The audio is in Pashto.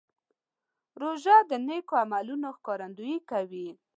روژه د نیکو عملونو ښکارندویي کوي.